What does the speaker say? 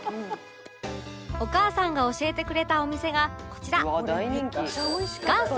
お母さんが教えてくれたお店がこちら